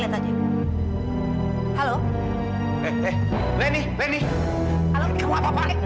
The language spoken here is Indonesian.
lepaskan aku nusli